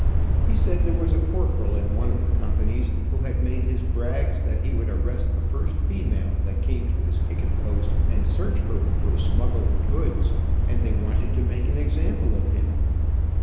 He said there was a corporal in one of the companies who had made his brags that he would arrest the first female that came to his picket post, and search her for smuggled goods, and they wanted to make an example of him.